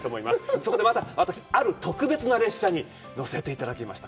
そこで、また私、ある特別な列車に乗せていただきました。